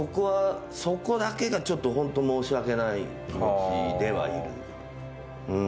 そこだけがちょっと本当に申し訳ない気持ちではいる。